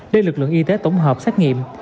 đến lực lượng y tế tổng hợp xét nghiệm